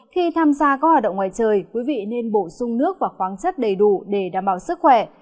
khi tham gia các hoạt động ngoài trời quý vị nên bổ sung nước và khoáng chất đầy đủ để đảm bảo sức khỏe